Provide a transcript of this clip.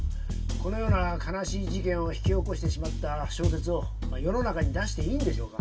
このような悲しい事件を引き起こしてしまった小説を世の中に出していいんでしょうか？